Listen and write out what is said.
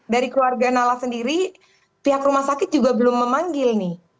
dari keluarga nala sendiri pihak rumah sakit juga belum memanggil nih